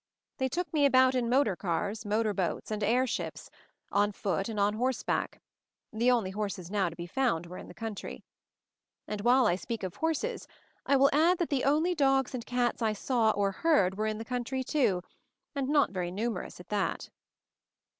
They took me about in motor cars, motor boats and air ships, on foot and on horseback (the only horses now to be found were in the country) . And while I speak of horses, I will add that the only dogs and cats I saw, or heard, were in the country, too, and not very numerous at that.